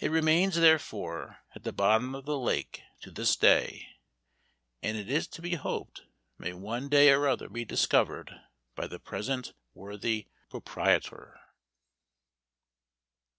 It remains, therefore, at the bottom of the lake to this day; and it is to be hoped, may one day or other be discovered by the present worthy proprietor.